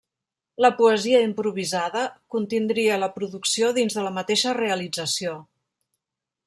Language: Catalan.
La poesia improvisada contindria la producció dins de la mateixa realització.